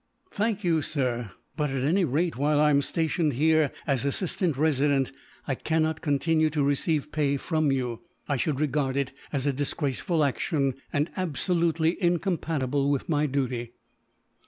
"Thank you, sir, but at any rate while I am stationed here, as Assistant Resident I cannot continue to receive pay from you. I should regard it as a disgraceful action, and absolutely incompatible with my duty."